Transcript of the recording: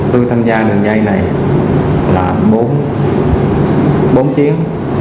tôi tham gia lần dây này là bốn chiến